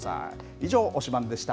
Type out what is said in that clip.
以上、推しバン！でした。